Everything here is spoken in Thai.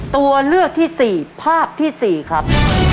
ตัวเลือกที่๔ภาพที่๔ครับ